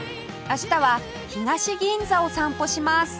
明日は東銀座を散歩します